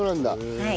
はい。